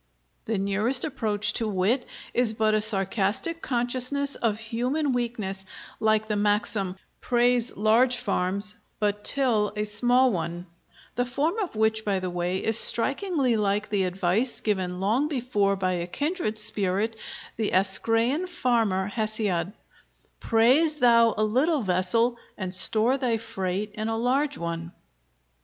The nearest approach to wit is but a sarcastic consciousness of human weakness, like the maxim "Praise large farms, but till a small one"; the form of which, by the way, is strikingly like the advice given long before by a kindred spirit, the Ascræan farmer Hesiod: "Praise thou a little vessel, and store thy freight in a large one!"